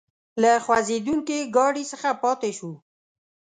له خوځېدونکي ګاډي څخه پاتې شوو.